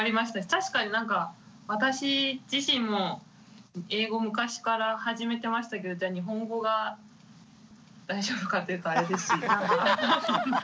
確かになんか私自身も英語昔から始めてましたけどじゃ日本語が大丈夫かっていうとあれですし。